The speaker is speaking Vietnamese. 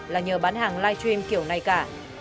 là nhờ bán hàng live stream kiểu này cả